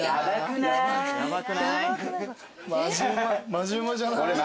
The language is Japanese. マジうまじゃない？